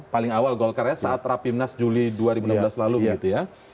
paling awal golkar ya saat rapimnas juli dua ribu enam belas lalu begitu ya